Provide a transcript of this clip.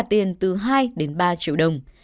tiền từ hai ba triệu đồng